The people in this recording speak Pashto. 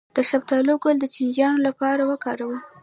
د شفتالو ګل د چینجیانو لپاره وکاروئ